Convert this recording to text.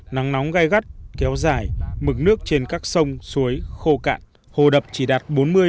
nắng nóng gai gắt kéo dài mực nước trên các sông suối khô cạn hồ đập chỉ đạt bốn mươi năm mươi